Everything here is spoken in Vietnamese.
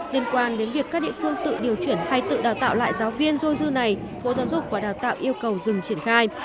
liên quan đến việc các địa phương tự điều chuyển hay tự đào tạo lại giáo viên dôi dư này bộ giáo dục và đào tạo yêu cầu dừng triển khai